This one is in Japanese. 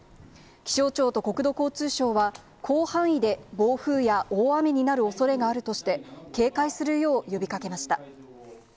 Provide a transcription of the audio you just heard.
気象庁と国土交通省は、広範囲で暴風や大雨になるおそれがあるとして、警戒するよう呼びかけました。